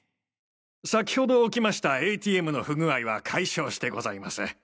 先ほど起きましたＡＴＭの不具合は解消してございます。